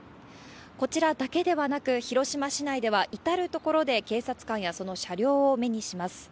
こちらだけではなく、広島市内では、至る所で警察官やその車両を目にします。